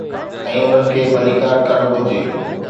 ۽ انهن کي ڀليڪار ڪرڻ گهرجي.